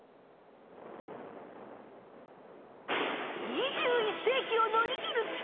２１世きを乗り切る力。